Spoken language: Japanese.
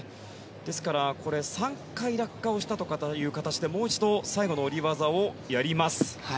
ですから３回落下をしたという形でもう一度最後の下り技をやります。